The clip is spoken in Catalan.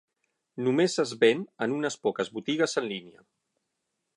Només es ven en unes poques botigues en línia.